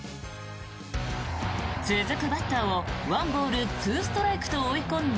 続くバッターを１ボール２ストライクと追い込んだ